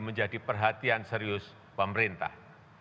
menjadi perhatian serius pemerintah